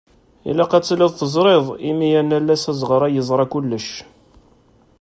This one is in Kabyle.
Ilaq ad tiliḍ teẓriḍ imi anallas azeɣray yeẓra kullec.